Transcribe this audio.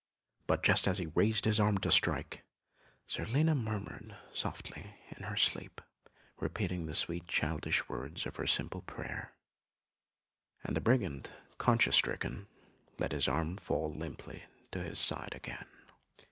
But just as he raised his arm to strike, Zerlina murmured softly in her sleep, repeating the sweet childish words of her simple prayer, and the brigand, conscience stricken, let his arm fall limply to his side again.